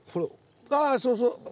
あそうそう。